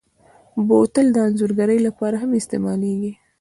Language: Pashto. بوتل د انځورګرۍ لپاره هم استعمالېږي.